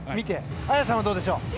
綾さんはどうでしょう？